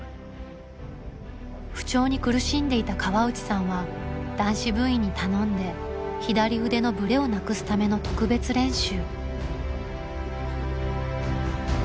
不調に苦しんでいた河内さんは男子部員に頼んで左腕のブレをなくすための特別練習。